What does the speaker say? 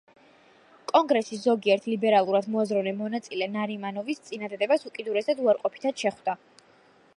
კონგრესის ზოგიერთ ლიბერალურად მოაზროვნე მონაწილე ნარიმანოვის წინადადებას უკიდურესად უარყოფითად შეხვდა.